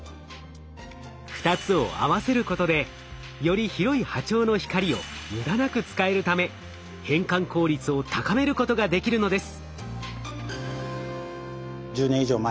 ２つを合わせることでより広い波長の光を無駄なく使えるため変換効率を高めることができるのです。